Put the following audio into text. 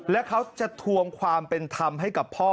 และเขาจะทวงความเป็นธรรมให้กับพ่อ